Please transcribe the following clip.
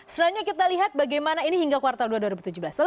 selanjutnya kita lihat bagaimana ini hingga kuartal dua dua ribu tujuh belas lalu